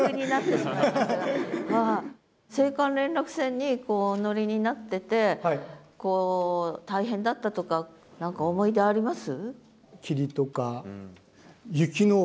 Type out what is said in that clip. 急に青函連絡船にお乗りになってて大変だったとか何か思い出あります？